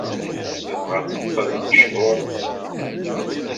Tebɣa ad teqqel mechuṛet.